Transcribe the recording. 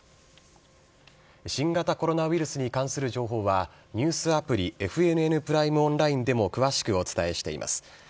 新型コロナウイルスに関する情報は、ニュースアプリ、ＦＮＮプライムオンラインでも詳しくお伝えしています。